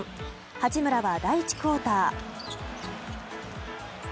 八村は第１クオーター。